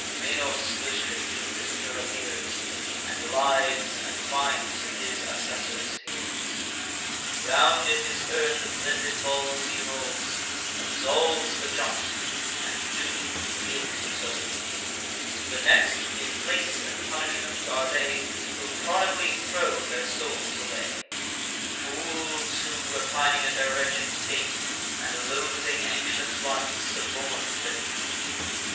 Minos, the strict inquisitor, appears; And lives and crimes, with his assessors, hears. Round in his urn the blended balls he rolls, Absolves the just, and dooms the guilty souls. The next, in place and punishment, are they Who prodigally throw their souls away; Fools, who, repining at their wretched state, And loathing anxious life, suborn'd their fate.